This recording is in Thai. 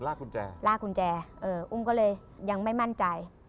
กุญแจลากกุญแจเอ่ออุ้มก็เลยยังไม่มั่นใจ